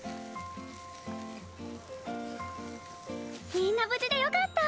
みんな無事でよかった！